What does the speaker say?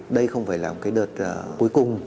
đây không phải là một cái đợt cuối cùng